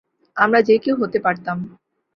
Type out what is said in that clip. আমরা যে কেউ হতে পারতাম।